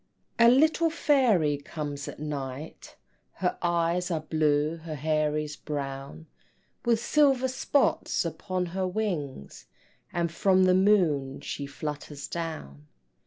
A little fairy comes at night, Her eyes are blue, her hair is brown, With silver spots upon her wings, And from the moon she flutters down.